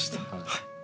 はい。